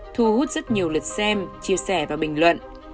thu hút rất nhiều lượt xem chia sẻ và bình luận